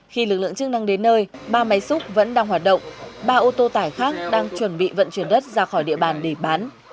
khi lực lượng chức năng đến nơi ba máy xúc vẫn đang hoạt động ba ô tô tải khác đang chuẩn bị vận chuyển đất ra khỏi địa bàn để bán